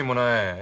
え？